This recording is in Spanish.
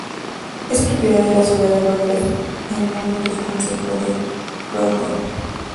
Es propiedad de la ciudad de Londres, en nombre del consejo de Croydon.